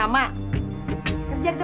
apakah ini apaan cisura